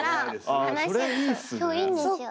そういいんですよ。